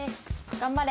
頑張れ。